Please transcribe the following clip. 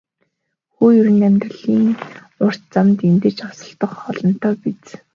Ер нь хүн амьдралын урт замд эндэж осолдох нь олонтоо биз.